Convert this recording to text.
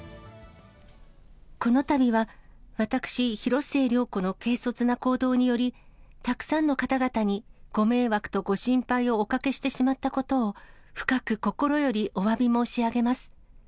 このたびは、私、広末涼子の軽率な行動により、たくさんの方々にご迷惑とご心配をおかけしてしまったことを深く心よりおわび申し上げます。